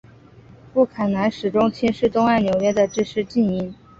布坎南始终轻视东岸纽约的知识菁英。